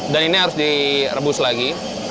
dan ini harus direbus lagi